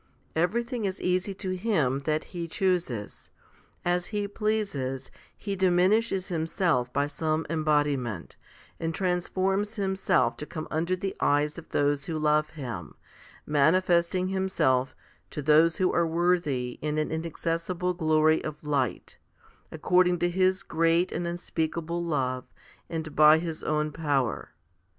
Everything is easy to Him that He chooses. As He pleases, He diminishes Himself by some embodiment, and transforms Himself to come under the eyes of those who love Him, manifesting Himself to those who are worthy in an inaccessible glory of light, according to His great and unspeakable love, and by His own power.